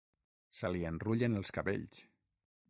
Se li enrullen els cabells.